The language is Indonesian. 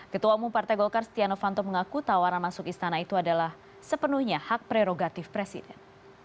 ketua umum partai golkar stiano fanto mengaku tawaran masuk istana itu adalah sepenuhnya hak prerogatif presiden